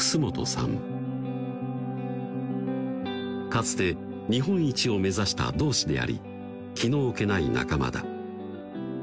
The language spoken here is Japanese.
かつて日本一を目指した同志であり気の置けない仲間だ